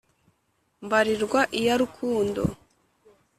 mbarirwa iya rukundo,